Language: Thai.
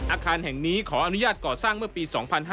อาคารแห่งนี้ขออนุญาตก่อสร้างเมื่อปี๒๕๕๙